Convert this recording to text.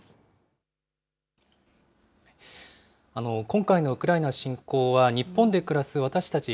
今回のウクライナ侵攻は、日本で暮らす私たち